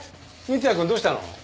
三ツ矢くんどうしたの？